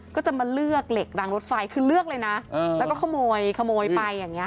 ก็จะมาเลือกเหล็กรางรถไฟคือเลือกเลยนะแล้วก็ขโมยขโมยไปอย่างนี้